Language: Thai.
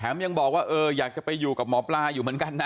ยังบอกว่าเอออยากจะไปอยู่กับหมอปลาอยู่เหมือนกันนะ